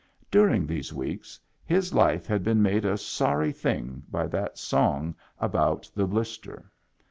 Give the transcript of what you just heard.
During these weeks his life had been made a sorry thing by that song about the blister.